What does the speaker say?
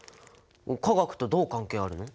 化学とどう関係あるの？